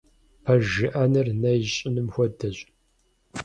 Пэж жыӀэныр нэ ищӀыным хуэдэщ.